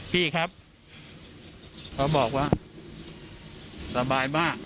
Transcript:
พี่ครับเขาบอกว่าสบายมาก